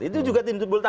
itu juga tinduk bulatan